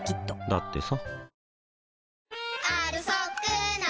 だってさ